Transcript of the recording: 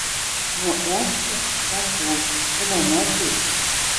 Но ӓшты дӓ кол: тӹнӓмӓт вет